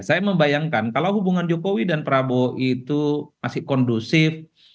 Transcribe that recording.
saya membayangkan kalau hubungan jokowi dan prabowo itu masih kondusif